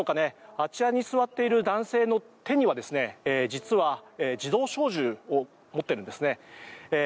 あちらに座っている男性の手には自動小銃を持っているんですね。